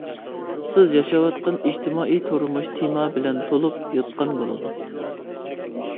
سىز ياشاۋاتقان ئىجتىمائىي تۇرمۇش تېما بىلەن تولۇپ ياتقان بولىدۇ.